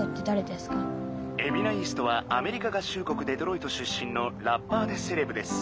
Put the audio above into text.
「エビナ・イーストはアメリカ合衆国デトロイト出身のラッパーでセレブです」。